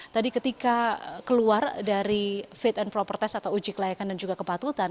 tadi ketika keluar dari fit and proper test atau uji kelayakan dan juga kepatutan